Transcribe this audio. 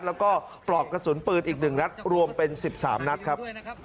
แล้วก็ปลอกกระสุนปืนอีก๑นัดรวมเป็น๑๓นัดครับ